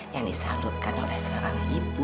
yang disalurkan oleh seorang ibu